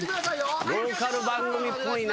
ローカル番組っぽいな。